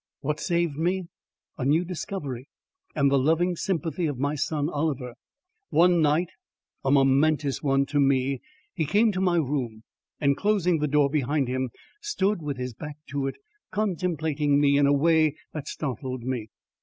What saved me? A new discovery, and the loving sympathy of my son Oliver. One night a momentous one to me he came to my room and, closing the door behind him, stood with his back to it, contemplating me in a way that startled me.